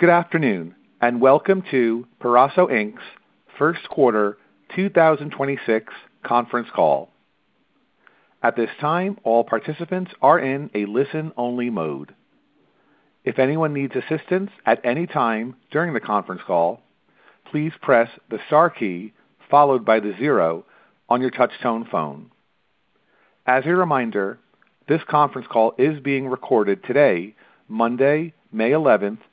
Good afternoon, and welcome to Peraso Inc.'s first quarter 2026 conference call. At this time all participants are in a listen only mode. As a reminder, this conference call is being recorded today, Monday, May 11, 2026.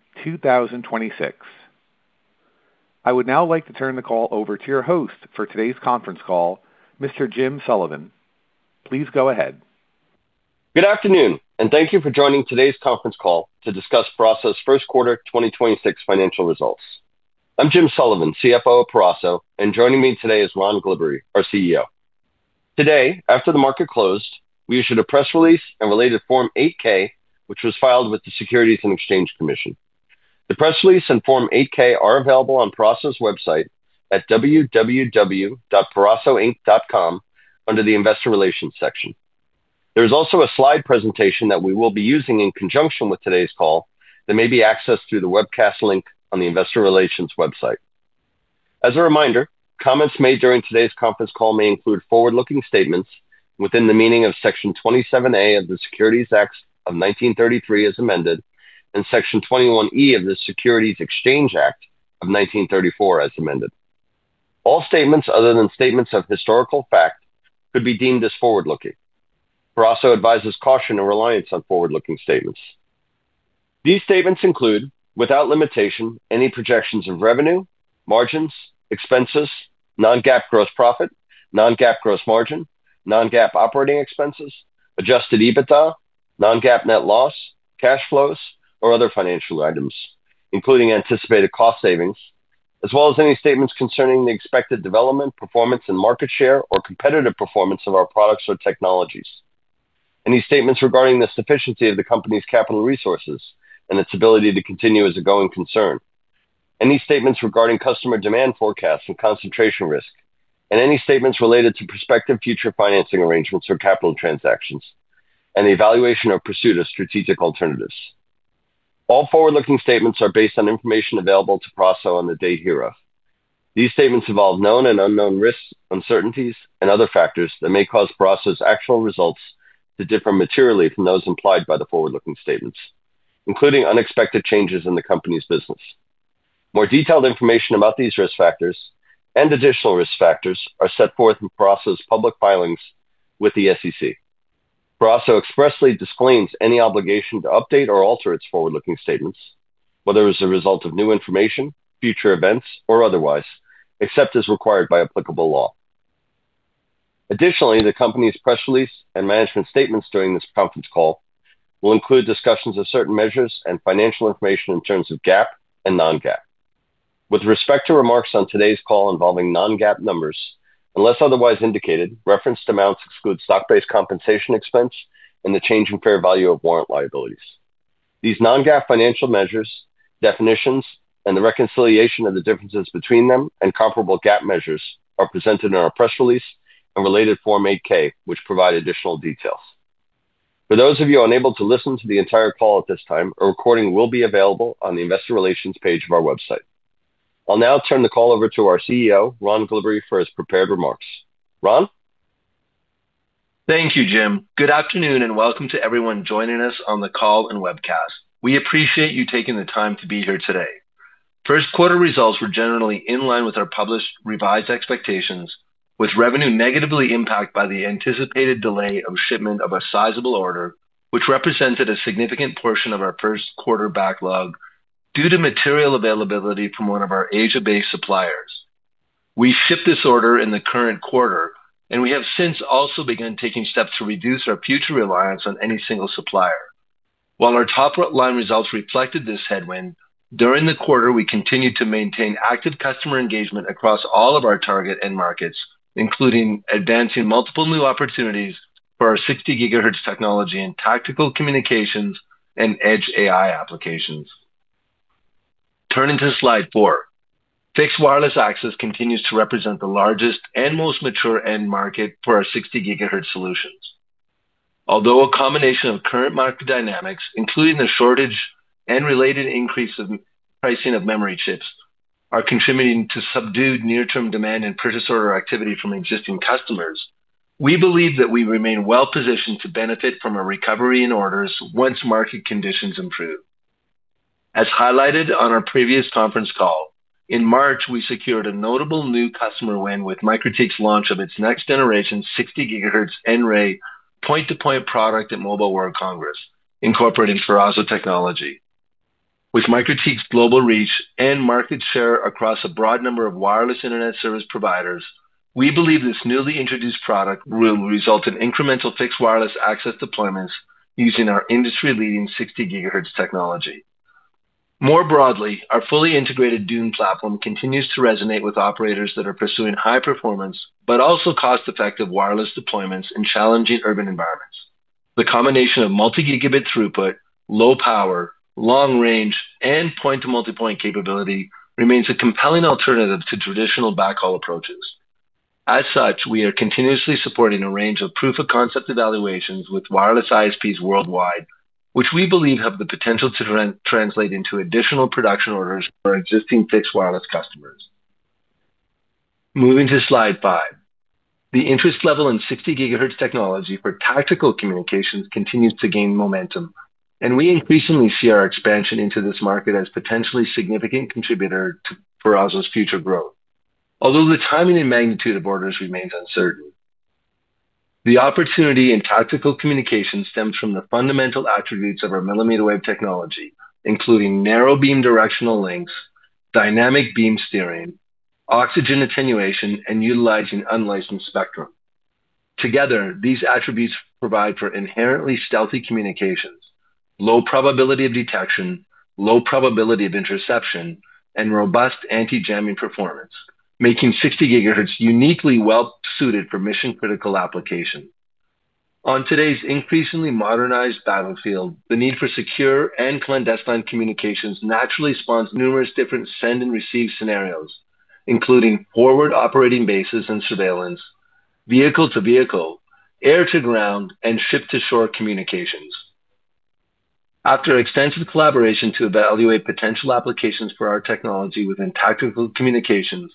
I would now like to turn the call over to your host for today's conference call, Mr. Jim Sullivan. Please go ahead. Good afternoon, and thank you for joining today's conference call to discuss Peraso's first quarter 2026 financial results. I'm Jim Sullivan, CFO of Peraso, and joining me today is Ron Glibbery, our CEO. Today, after the market closed, we issued a press release and related Form 8-K, which was filed with the Securities and Exchange Commission. The press release and Form 8-K are available on Peraso's website at www.perasoinc.com under the Investor Relations section. There's also a slide presentation that we will be using in conjunction with today's call that may be accessed through the webcast link on the investor relations website. As a reminder, comments made during today's conference call may include forward-looking statements within the meaning of Section 27A of the Securities Act of 1933 as amended and Section 21E of the Securities Exchange Act of 1934 as amended. All statements other than statements of historical fact could be deemed as forward-looking. Peraso advises caution and reliance on forward-looking statements. These statements include, without limitation, any projections of revenue, margins, expenses, non-GAAP gross profit, non-GAAP gross margin, non-GAAP operating expenses, adjusted EBITDA, non-GAAP net loss, cash flows, or other financial items, including anticipated cost savings, as well as any statements concerning the expected development, performance, and market share or competitive performance of our products or technologies. Any statements regarding the sufficiency of the company's capital resources and its ability to continue as a going concern. Any statements regarding customer demand forecasts and concentration risk, and any statements related to prospective future financing arrangements or capital transactions, and the evaluation or pursuit of strategic alternatives. All forward-looking statements are based on information available to Peraso on the date hereof. These statements involve known and unknown risks, uncertainties, and other factors that may cause Peraso's actual results to differ materially from those implied by the forward-looking statements, including unexpected changes in the company's business. More detailed information about these risk factors and additional risk factors are set forth in Peraso's public filings with the SEC. Peraso expressly disclaims any obligation to update or alter its forward-looking statements, whether as a result of new information, future events, or otherwise, except as required by applicable law. The company's press release and management statements during this conference call will include discussions of certain measures and financial information in terms of GAAP and non-GAAP. With respect to remarks on today's call involving non-GAAP numbers, unless otherwise indicated, referenced amounts exclude stock-based compensation expense and the change in fair value of warrant liabilities. These non-GAAP financial measures, definitions, and the reconciliation of the differences between them and comparable GAAP measures are presented in our press release and related Form 8-K, which provide additional details. For those of you unable to listen to the entire call at this time, a recording will be available on the investor relations page of our website. I'll now turn the call over to our CEO, Ron Glibbery, for his prepared remarks. Ron? Thank you, Jim. Good afternoon, and welcome to everyone joining us on the call and webcast. We appreciate you taking the time to be here today. First quarter results were generally in line with our published revised expectations, with revenue negatively impacted by the anticipated delay of shipment of a sizable order, which represented a significant portion of our first quarter backlog due to material availability from one of our Asia-based suppliers. We shipped this order in the current quarter, and we have since also begun taking steps to reduce our future reliance on any single supplier. While our top line results reflected this headwind, during the quarter, we continued to maintain active customer engagement across all of our target end markets, including advancing multiple new opportunities for our 60 GHz technology in tactical communications and Edge AI applications. Turning to slide four. Fixed Wireless Access continues to represent the largest and most mature end market for our 60 GHz solutions. Although a combination of current market dynamics, including the shortage and related increase of pricing of memory chips, are contributing to subdued near-term demand and purchase order activity from existing customers, we believe that we remain well-positioned to benefit from a recovery in orders once market conditions improve. As highlighted on our previous conference call, in March, we secured a notable new customer win with MikroTik's launch of its next-generation 60 GHz nRAY Point-to-Point product at Mobile World Congress, incorporating Peraso technology. With MikroTik's global reach and market share across a broad number of wireless internet service providers, we believe this newly introduced product will result in incremental Fixed Wireless Access deployments using our industry-leading 60 GHz technology. More broadly, our fully integrated DUNE platform continues to resonate with operators that are pursuing high performance but also cost-effective wireless deployments in challenging urban environments. The combination of multi-gigabit throughput, low power, long range, and Point-to-Multipoint capability remains a compelling alternative to traditional backhaul approaches. We are continuously supporting a range of proof of concept evaluations with wireless ISPs worldwide, which we believe have the potential to translate into additional production orders for our existing fixed wireless customers. Moving to slide five. The interest level in 60 GHz technology for tactical communications continues to gain momentum. We increasingly see our expansion into this market as potentially significant contributor to Peraso's future growth. The timing and magnitude of orders remains uncertain. The opportunity in tactical communications stems from the fundamental attributes of our millimeter wave technology, including narrow beam directional links, dynamic beam steering, oxygen attenuation, and utilizing unlicensed spectrum. Together, these attributes provide for inherently stealthy communications, low probability of detection, low probability of interception, and robust anti-jamming performance, making 60 GHz uniquely well-suited for mission-critical application. On today's increasingly modernized battlefield, the need for secure and clandestine communications naturally spawns numerous different send and receive scenarios, including forward operating bases and surveillance, vehicle-to-vehicle, air-to-ground, and ship-to-shore communications. After extensive collaboration to evaluate potential applications for our technology within tactical communications,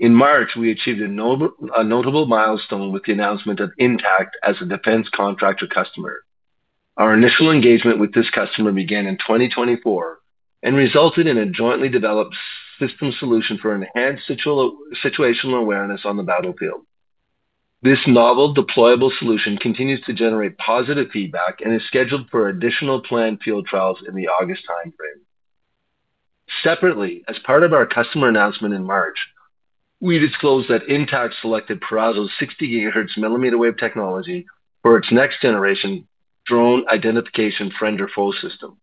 in March, we achieved a notable milestone with the announcement of InTACT as a defense contractor customer. Our initial engagement with this customer began in 2024 and resulted in a jointly developed system solution for enhanced situational awareness on the battlefield. This novel deployable solution continues to generate positive feedback and is scheduled for additional planned field trials in the August timeframe. Separately, as part of our customer announcement in March, we disclosed that InTACT selected Peraso's 60 GHz mmWave technology for its next generation drone Identification Friend or Foe system.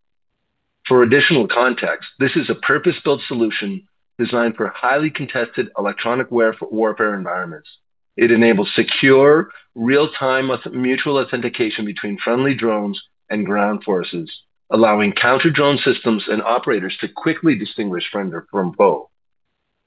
For additional context, this is a purpose-built solution designed for highly contested electronic warfare environments. It enables secure real-time mutual authentication between friendly drones and ground forces, allowing counter-drone systems and operators to quickly distinguish friend from foe.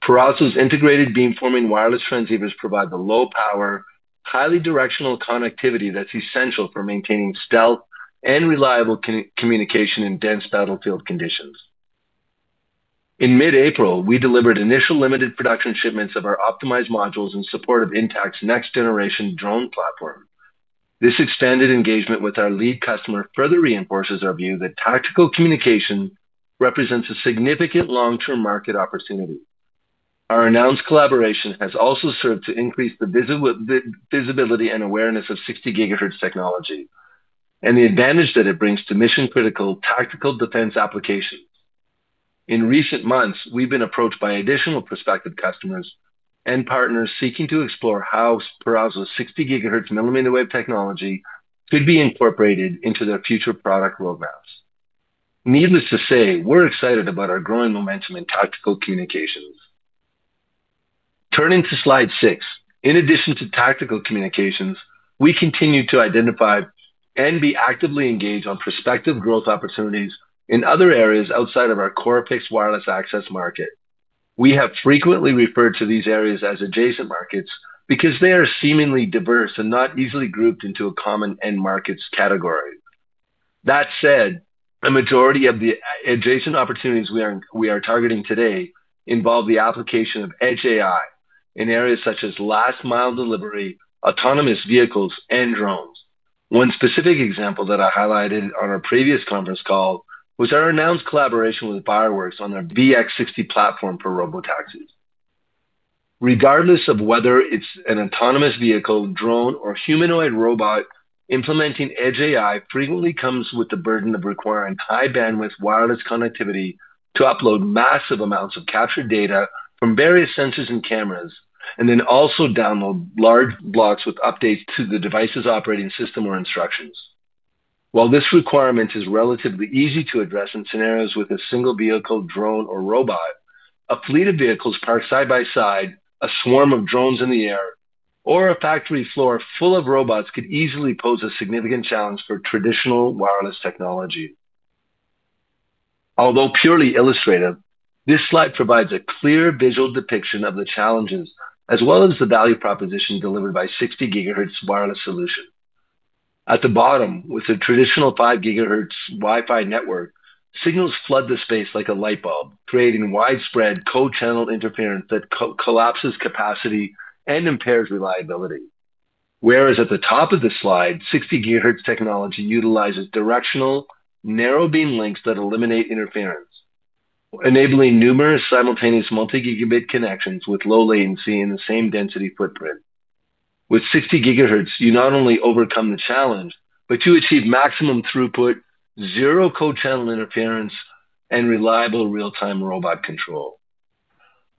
Peraso's integrated beamforming wireless transceivers provide the low power, highly directional connectivity that's essential for maintaining stealth and reliable communication in dense battlefield conditions. In mid-April, we delivered initial limited production shipments of our optimized modules in support of InTACT's next generation drone platform. This expanded engagement with our lead customer further reinforces our view that tactical communication represents a significant long-term market opportunity. Our announced collaboration has also served to increase the visibility and awareness of 60 GHz technology and the advantage that it brings to mission-critical tactical defense applications. In recent months, we've been approached by additional prospective customers and partners seeking to explore how Peraso's 60 GHz mmWave technology could be incorporated into their future product roadmaps. Needless to say, we're excited about our growing momentum in tactical communications. Turning to slide six. In addition to tactical communications, we continue to identify and be actively engaged on prospective growth opportunities in other areas outside of our core Fixed Wireless Access market. We have frequently referred to these areas as adjacent markets because they are seemingly diverse and not easily grouped into a common end markets category. That said, a majority of the adjacent opportunities we are targeting today involve the application of Edge AI in areas such as last mile delivery, autonomous vehicles, and drones. One specific example that I highlighted on our previous conference call was our announced collaboration with Virewirx on their VX60 platform for robotaxis. Regardless of whether it's an autonomous vehicle, drone, or humanoid robot, implementing Edge AI frequently comes with the burden of requiring high-bandwidth wireless connectivity to upload massive amounts of captured data from various sensors and cameras, and then also download large blocks with updates to the device's operating system or instructions. While this requirement is relatively easy to address in scenarios with a single vehicle, drone, or robot, a fleet of vehicles parked side by side, a swarm of drones in the air, or a factory floor full of robots could easily pose a significant challenge for traditional wireless technology. Although purely illustrative, this slide provides a clear visual depiction of the challenges as well as the value proposition delivered by 60 GHz wireless solution. At the bottom, with a traditional 5 GHz Wi-Fi network, signals flood the space like a light bulb, creating widespread co-channel interference that collapses capacity and impairs reliability. Whereas at the top of the slide, 60 GHz technology utilizes directional narrow beam links that eliminate interference, enabling numerous simultaneous multi-gigabit connections with low latency in the same density footprint. With 60 GHz, you not only overcome the challenge, but you achieve maximum throughput, zero co-channel interference, and reliable real-time robot control.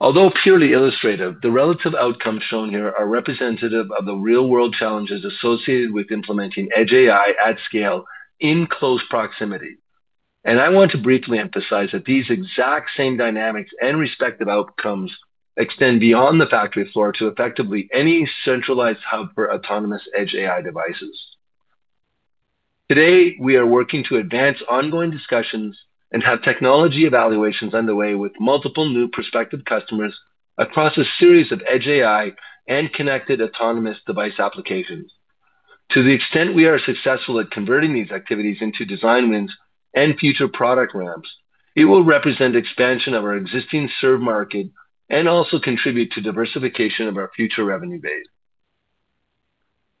Although purely illustrative, the relative outcomes shown here are representative of the real-world challenges associated with implementing Edge AI at scale in close proximity. I want to briefly emphasize that these exact same dynamics and respective outcomes extend beyond the factory floor to effectively any centralized hub for autonomous Edge AI devices. Today, we are working to advance ongoing discussions and have technology evaluations underway with multiple new prospective customers across a series of Edge AI and connected autonomous device applications. To the extent we are successful at converting these activities into design wins and future product ramps, it will represent expansion of our existing served market and also contribute to diversification of our future revenue base.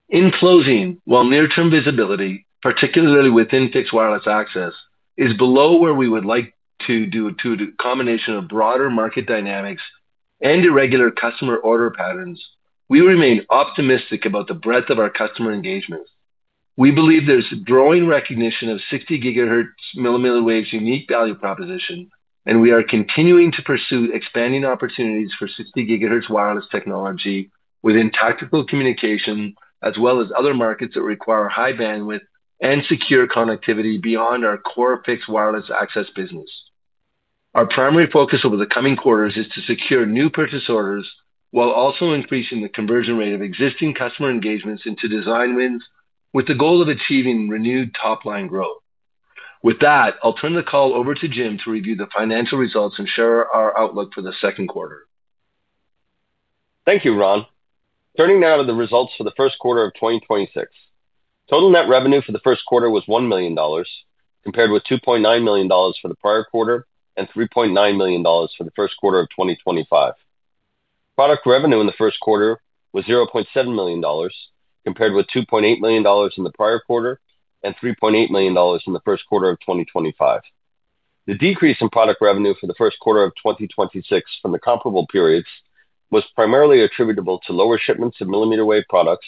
In closing, while near-term visibility, particularly within Fixed Wireless Access, is below where we would like to due to a combination of broader market dynamics and irregular customer order patterns, we remain optimistic about the breadth of our customer engagements. We believe there's growing recognition of 60 GHz mmWave's unique value proposition. We are continuing to pursue expanding opportunities for 60 GHz wireless technology within tactical communication, as well as other markets that require high bandwidth and secure connectivity beyond our core Fixed Wireless Access business. Our primary focus over the coming quarters is to secure new purchase orders while also increasing the conversion rate of existing customer engagements into design wins with the goal of achieving renewed top-line growth. With that, I'll turn the call over to Jim to review the financial results and share our outlook for the second quarter. Thank you, Ron. Turning now to the results for the first quarter of 2026. Total net revenue for the first quarter was $1 million, compared with $2.9 million for the prior quarter and $3.9 million for the first quarter of 2025. Product revenue in the first quarter was $0.7 million, compared with $2.8 million in the prior quarter and $3.8 million in the first quarter of 2025. The decrease in product revenue for the first quarter of 2026 from the comparable periods was primarily attributable to lower shipments of mmWave products,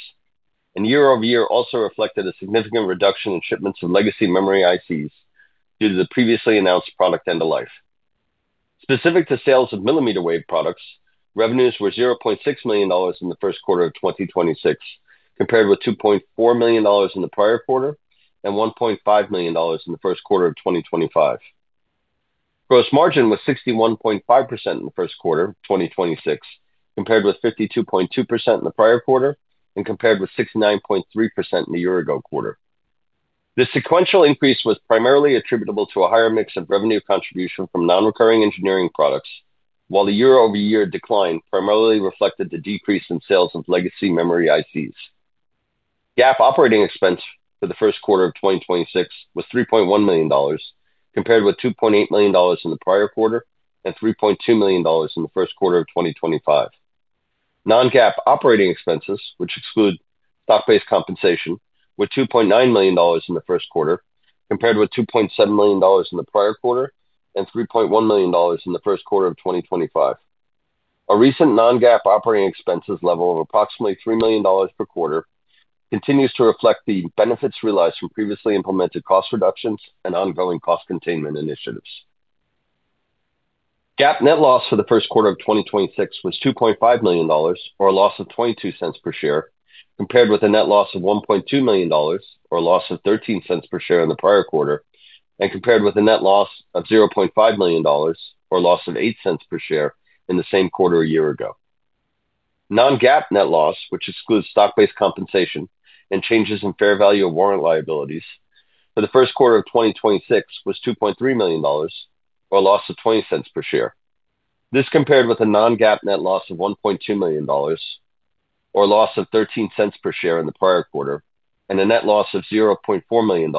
and year-over-year also reflected a significant reduction in shipments of legacy memory ICs due to the previously announced product end-of-life. Specific to sales of mmWave products, revenues were $0.6 million in the first quarter of 2026, compared with $2.4 million in the prior quarter and $1.5 million in the first quarter of 2025. Gross margin was 61.5% in the first quarter of 2026, compared with 52.2% in the prior quarter and compared with 69.3% in the year ago quarter. The sequential increase was primarily attributable to a higher mix of revenue contribution from non-recurring engineering products, while the year-over-year decline primarily reflected the decrease in sales of legacy memory ICs. GAAP operating expense for the first quarter of 2026 was $3.1 million, compared with $2.8 million in the prior quarter and $3.2 million in the first quarter of 2025. Non-GAAP operating expenses, which exclude stock-based compensation, were $2.9 million in the first quarter, compared with $2.7 million in the prior quarter and $3.1 million in the first quarter of 2025. Our recent non-GAAP operating expenses level of approximately $3 million per quarter continues to reflect the benefits realized from previously implemented cost reductions and ongoing cost containment initiatives. GAAP net loss for the first quarter of 2026 was $2.5 million or a loss of $0.22 per share, compared with a net loss of $1.2 million or a loss of $0.13 per share in the prior quarter, and compared with a net loss of $0.5 million or a loss of $0.08 per share in the same quarter a year ago. Non-GAAP net loss, which excludes stock-based compensation and changes in fair value of warrant liabilities for the first quarter of 2026 was $2.3 million or a loss of $0.20 per share. This compared with a non-GAAP net loss of $1.2 million or a loss of $0.13 per share in the prior quarter and a net loss of $0.4 million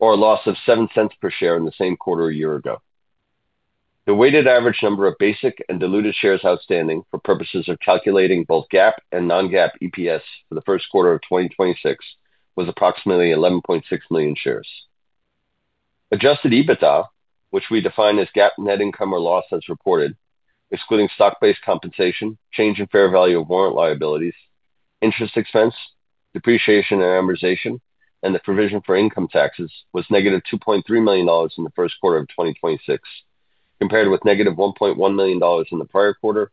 or a loss of $0.07 per share in the same quarter a year ago. The weighted average number of basic and diluted shares outstanding for purposes of calculating both GAAP and non-GAAP EPS for the first quarter of 2026 was approximately 11.6 million shares. Adjusted EBITDA, which we define as GAAP net income or loss as reported, excluding stock-based compensation, change in fair value of warrant liabilities, interest expense, depreciation and amortization, and the provision for income taxes was -$2.3 million in the first quarter of 2026, compared with -$1.1 million in the prior quarter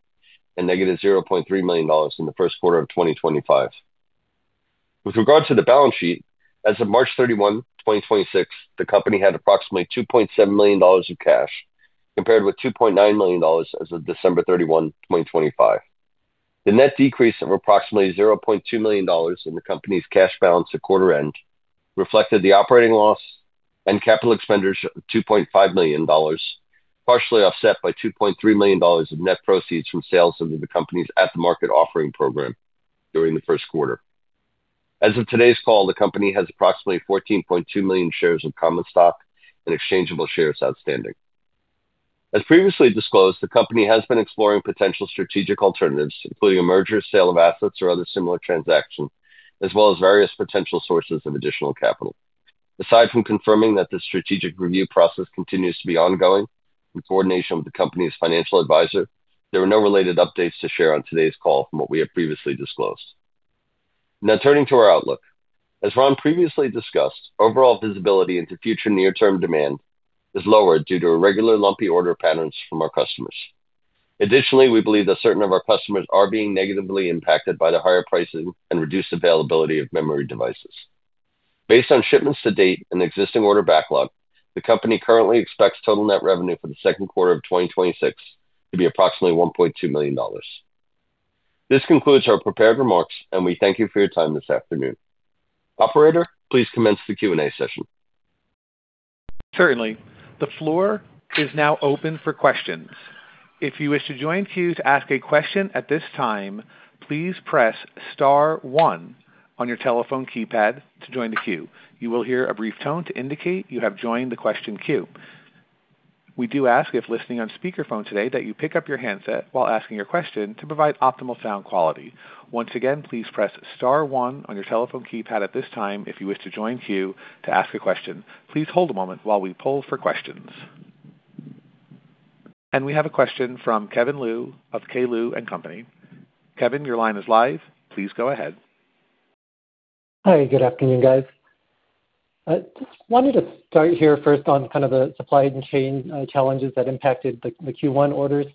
and -$0.3 million in the first quarter of 2025. With regard to the balance sheet, as of March 31, 2026, the company had approximately $2.7 million of cash, compared with $2.9 million as of December 31, 2025. The net decrease of approximately $0.2 million in the company's cash balance at quarter end reflected the operating loss and capital expenditures of $2.5 million, partially offset by $2.3 million of net proceeds from sales under the company's at-the-market offering program during the first quarter. As of today's call, the company has approximately 14.2 million shares of common stock and exchangeable shares outstanding. As previously disclosed, the company has been exploring potential strategic alternatives, including a merger, sale of assets, or other similar transactions, as well as various potential sources of additional capital. Aside from confirming that the strategic review process continues to be ongoing in coordination with the company's financial advisor, there were no related updates to share on today's call from what we have previously disclosed. Now turning to our outlook. As Ron previously discussed, overall visibility into future near-term demand is lower due to irregular lumpy order patterns from our customers. Additionally, we believe that certain of our customers are being negatively impacted by the higher pricing and reduced availability of memory devices. Based on shipments to date and existing order backlog, the company currently expects total net revenue for the second quarter of 2026 to be approximately $1.2 million. This concludes our prepared remarks, and we thank you for your time this afternoon. Operator, please commence the Q&A session. Certainly. The floor is now open for questions. If you wish to join queues to ask a question at this time, please press star one on your telephone keypad to join the queue. You will hear a brief tone to indicate you have joined the question queue. We do ask if listening on speaker phone today that you pick up your handset while asking your question to provide optimal sound quality. Once again, please press star one on your telephone keypad at this time if you wish to join queue to ask a question. Please hold a moment while we poll for questions. We have a question from Kevin Liu of K. Liu & Company. Kevin, your line is live. Please go ahead. Hi. Good afternoon, guys. I just wanted to start here first on kind of the supply chain challenges that impacted the Q1 orders.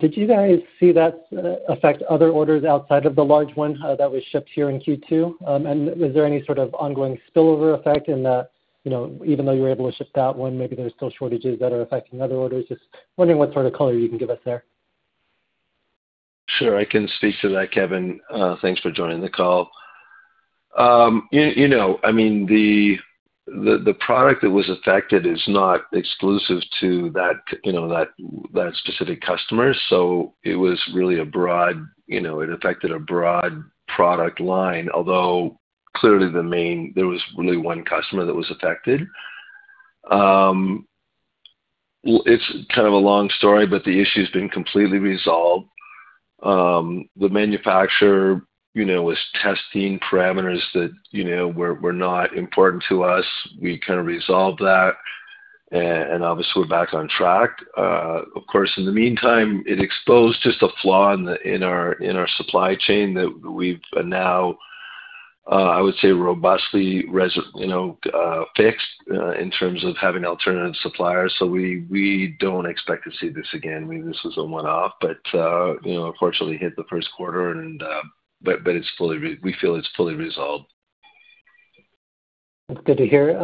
Did you guys see that affect other orders outside of the large one that was shipped here in Q2? Was there any sort of ongoing spillover effect in that, you know, even though you were able to ship that one, maybe there's still shortages that are affecting other orders? Just wondering what sort of color you can give us there. Sure. I can speak to that, Kevin. Thanks for joining the call. You know, I mean, the product that was affected is not exclusive to that, you know, that specific customer, so it was really a broad You know, it affected a broad product line, although clearly there was really one customer that was affected. It's kind of a long story, but the issue's been completely resolved. The manufacturer, you know, was testing parameters that, you know, were not important to us. We kind of resolved that, and obviously we're back on track. Of course, in the meantime, it exposed just a flaw in the, in our, in our supply chain that we've now, I would say robustly you know, fixed, in terms of having alternative suppliers. We don't expect to see this again. I mean, this was a one-off. You know, unfortunately hit the first quarter and we feel it's fully resolved. That's good to hear.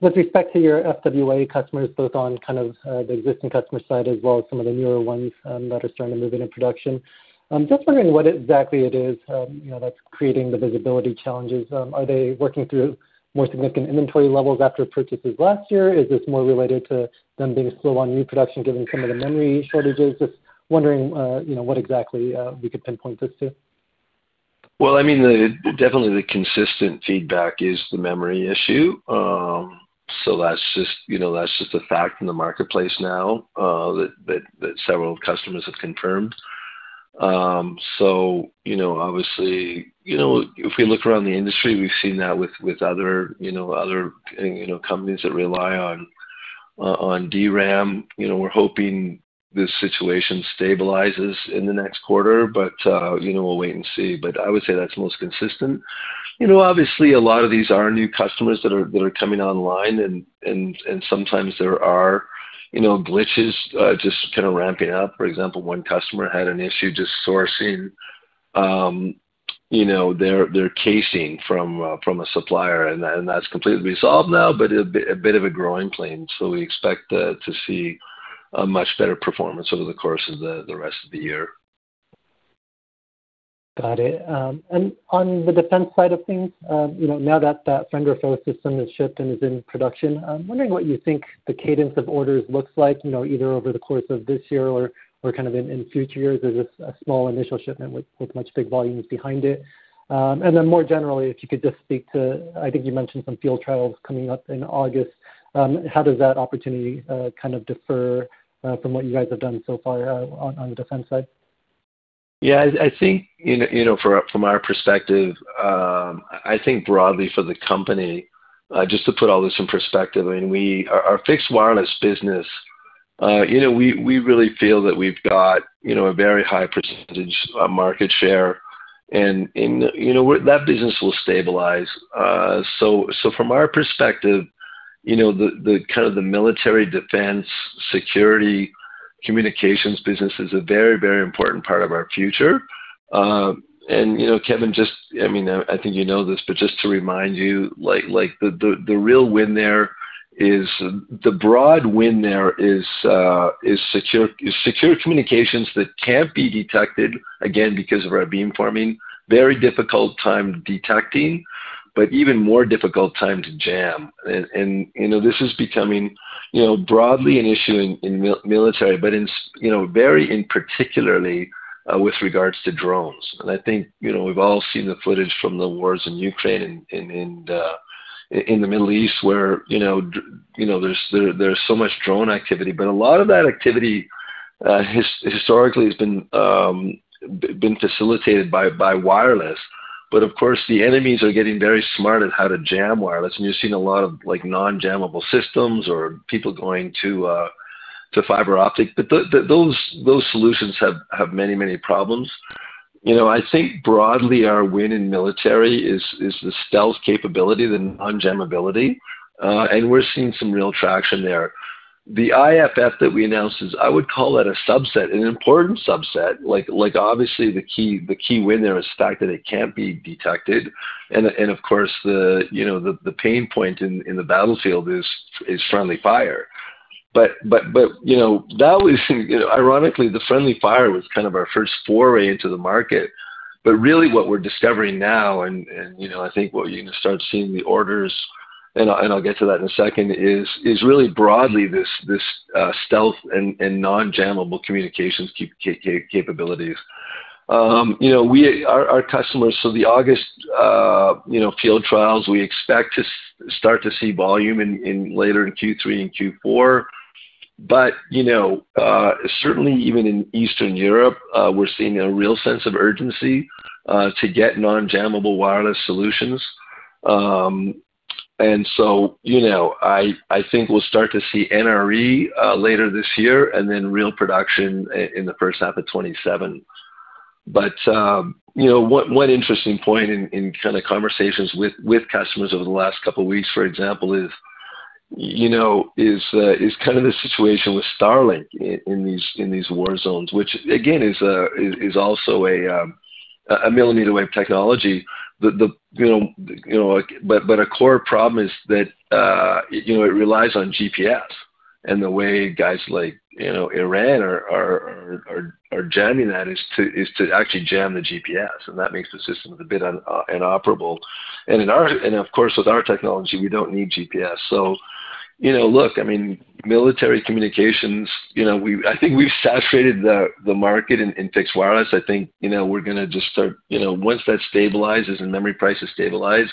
With respect to your FWA customers, both on kind of, the existing customer side as well as some of the newer ones, that are starting to move into production, just wondering what exactly it is, you know, that's creating the visibility challenges. Are they working through more significant inventory levels after purchases last year? Is this more related to them being slow on new production given some of the memory shortages? Just wondering, you know, what exactly, we could pinpoint this to. I mean, the, definitely the consistent feedback is the memory issue. That's just, you know, that's just a fact in the marketplace now, that several customers have confirmed. You know, obviously, you know, if we look around the industry, we've seen that with other, you know, other, you know, companies that rely on DRAM. You know, we're hoping this situation stabilizes in the next quarter, you know, we'll wait and see. I would say that's most consistent. You know, obviously a lot of these are new customers that are coming online and sometimes there are, you know, glitches, just kind of ramping up. For example, one customer had an issue just sourcing, you know, their casing from a supplier and that's completely resolved now, but a bit of a growing pain. We expect to see a much better performance over the course of the rest of the year. Got it. On the defense side of things, you know, now that that Friend or Foe system has shipped and is in production, I'm wondering what you think the cadence of orders looks like, you know, either over the course of this year or kind of in future years. Is this a small initial shipment with much big volumes behind it? Then more generally, if you could just speak to, I think you mentioned some field trials coming up in August, how does that opportunity kind of differ from what you guys have done so far on the defense side? Yeah. I think, you know, from our perspective, I think broadly for the company, just to put all this in perspective, I mean, our Fixed Wireless business, you know, we really feel that we've got, you know, a very high percentage of market share and, you know, that business will stabilize. From our perspective, you know, the kind of the military defense, security, communications business is a very important part of our future. You know, Kevin, just, I mean, I think you know this, but just to remind you, like, the broad win there is secure communications that can't be detected, again, because of our beamforming. Very difficult time detecting, but even more difficult time to jam. You know, this is becoming, you know, broadly an issue in military, but in you know, very in particularly with regards to drones. I think, you know, we've all seen the footage from the wars in Ukraine and in the Middle East where, you know, there's so much drone activity. A lot of that activity historically has been facilitated by wireless. Of course, the enemies are getting very smart at how to jam wireless, and you're seeing a lot of, like, non-jammable systems or people going to fiber optic. Those solutions have many problems. You know, I think broadly our win in military is the stealth capability, the non-jammability, and we're seeing some real traction there. The IFF that we announced is, I would call that a subset, an important subset. Like, obviously the key, the key win there is the fact that it can't be detected and of course the, you know, the pain point in the battlefield is friendly fire. You know that was you know, ironically, the friendly fire was kind of our first foray into the market. Really what we're discovering now and, you know, I think what you're gonna start seeing the orders, and I'll get to that in a second, is really broadly this stealth and non-jammable communications capabilities. You know, our customers so the August, you know, field trials, we expect to start to see volume in later in Q3 and Q4. You know, certainly even in Eastern Europe, we're seeing a real sense of urgency to get non-jammable wireless solutions. You know, I think we'll start to see NRE later this year, and then real production in the first half of 2027. You know, one interesting point in kind of conversations with customers over the last couple weeks, for example, is, you know, is kind of the situation with Starlink in these war zones, which again is also a mmWave technology. A core problem is that, you know, it relies on GPS and the way guys like, you know, Iran are jamming that is to actually jam the GPS, and that makes the system a bit inoperable. Of course, with our technology, we don't need GPS. You know, look, I mean, military communications, you know, I think we've saturated the market in fixed wireless. I think, you know, we're gonna just start, you know, once that stabilizes and memory prices stabilize,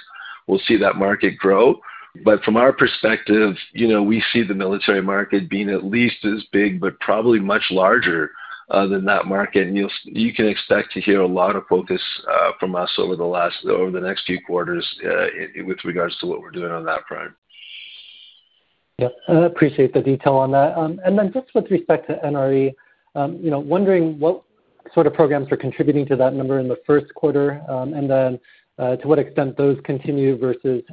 we'll see that market grow. From our perspective, you know, we see the military market being at least as big, probably much larger than that market. You can expect to hear a lot of focus from us over the next few quarters, with regards to what we're doing on that front. Yeah. I appreciate the detail on that. Just with respect to NRE, you know, wondering what sort of programs are contributing to that number in the first quarter, to what extent those continue versus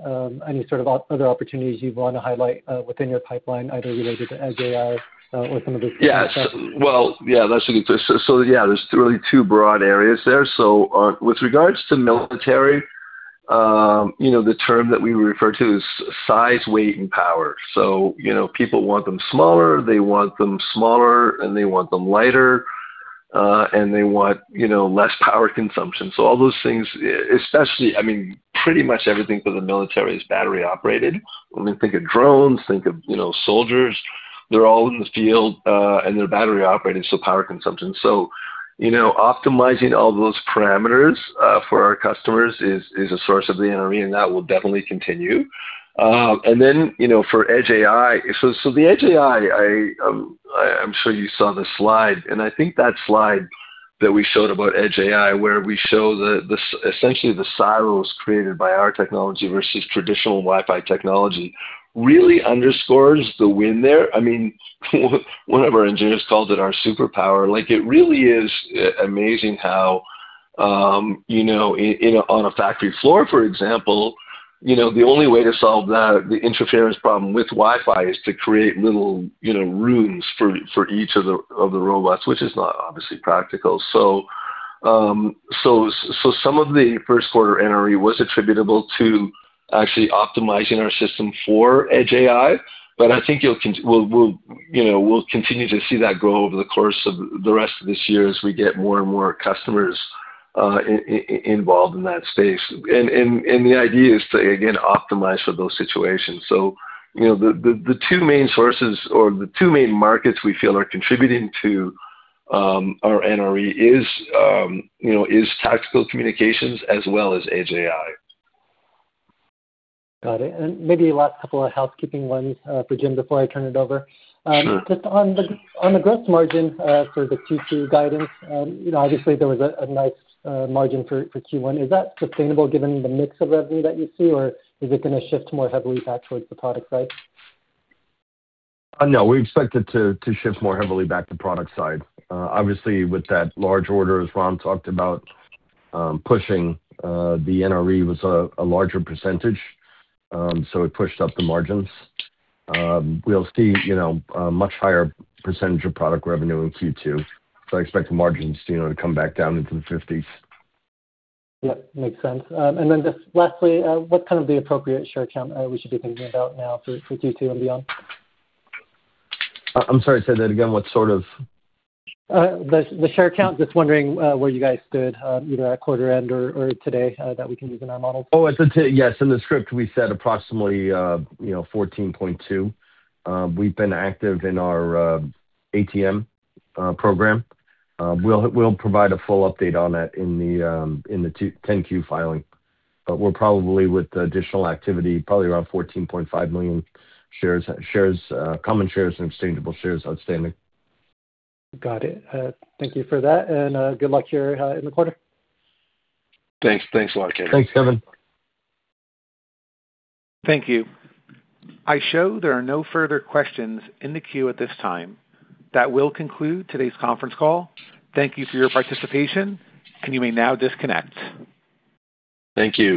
any sort of other opportunities you wanna highlight within your pipeline, either related to Edge AI? Yeah, there's really two broad areas there. With regards to military, you know, the term that we refer to is Size, Weight, and Power. You know, people want them smaller, and they want them lighter, and they want, you know, less power consumption. All those things, especially, I mean, pretty much everything for the military is battery operated. I mean, think of drones, think of, you know, soldiers. They're all in the field, and they're battery operated, so power consumption. You know, optimizing all those parameters for our customers is a source of the NRE, and that will definitely continue. You know, for Edge AI, the Edge AI, I'm sure you saw the slide, and I think that slide that we showed about Edge AI, where we show essentially the silos created by our technology versus traditional Wi-Fi technology, really underscores the win there. I mean, one of our engineers called it our superpower. Like, it really is amazing how, you know, on a factory floor, for example, you know, the only way to solve the interference problem with Wi-Fi is to create little, you know, rooms for each of the robots, which is not obviously practical. Some of the first quarter NRE was attributable to actually optimizing our system for Edge AI, but I think you'll, you know, we'll continue to see that grow over the course of the rest of this year as we get more and more customers involved in that space. The idea is to, again, optimize for those situations. You know, the two main sources or the two main markets we feel are contributing to our NRE is, you know, is tactical communications as well as Edge AI. Got it. Maybe last couple of housekeeping ones, for Jim before I turn it over. Sure. Just on the, on the gross margin, for the Q2 guidance, you know, obviously there was a nice margin for Q1. Is that sustainable given the mix of revenue that you see, or is it gonna shift more heavily back towards the product side? No, we expect it to shift more heavily back to product side. obviously with that large order, as Ron talked about, pushing the NRE was a larger percentage, so it pushed up the margins. we'll see, you know, a much higher percentage of product revenue in Q2, so I expect the margins, you know, to come back down into the 50s. Yep. Makes sense. Just lastly, what's kind of the appropriate share count we should be thinking about now for Q2 and beyond? I'm sorry. Say that again. What sort of? The share count, just wondering, where you guys stood, either at quarter end or today, that we can use in our models. Yes, in the script we said approximately, you know, 14.2. We've been active in our ATM program. We'll provide a full update on that in the 10-Q filing. We're probably, with the additional activity, probably around 14.5 million shares, common shares and exchangeable shares outstanding. Got it. Thank you for that, and good luck here in the quarter. Thanks. Thanks a lot, Kevin. Thanks, Kevin. Thank you. I show there are no further questions in the queue at this time. That will conclude today's conference call. Thank you for your participation, and you may now disconnect. Thank you.